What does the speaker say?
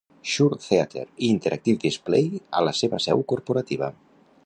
Shure Theater i Interactive Display a la seva seu corporativa.